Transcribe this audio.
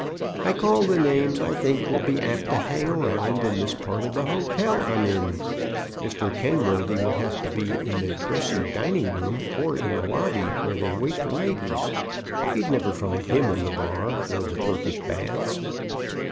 "I call the names I think will be apt to hang round in the part of the hotel I'm in. Mr. Kenworthy would have to be in the dressy dining room or in the lobby where they wait for ladies. You'd never find him in the bar or the Turkish baths.